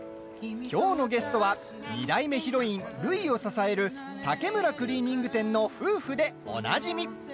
きょうのゲストは２代目ヒロイン・るいを支える竹村クリーニング店の夫婦でおなじみ